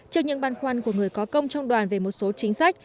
trước những băn khoăn của người có công trong đoàn về một số chính sách